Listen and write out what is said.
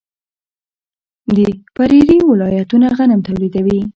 د پریري ولایتونه غنم تولیدوي.